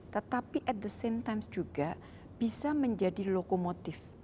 tetapi at the same times juga bisa menjadi lokomotif